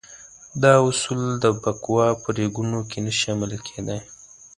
دا اصول د بکواه په ریګونو کې نه شي عملي کېدلای.